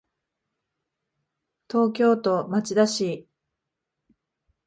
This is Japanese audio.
東京都町田市